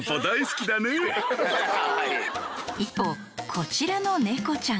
こちらの猫ちゃん。